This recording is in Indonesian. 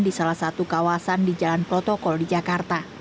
di salah satu kawasan di jalan protokol di jakarta